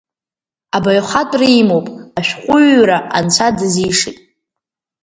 Абаҩхатәра имоуп, ашәҟәыҩҩра анцәа дазишеит…